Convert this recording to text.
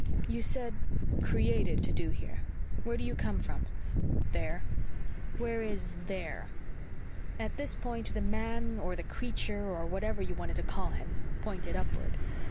"You said, 'created to do here.' Where do you come from?" "There." "Where is there?" At this point the man or the creature, or whatever you wanted to call him, pointed upward.